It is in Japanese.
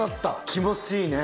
気持ちいいね。